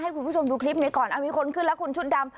คุณผู้ชมดูคลิปนี้ก่อนมีคนขึ้นแล้วคุณชุดดำ